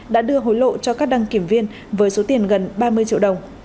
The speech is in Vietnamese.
đã đưa hối lộ cho các đăng kiểm viên với số tiền gần ba mươi triệu đồng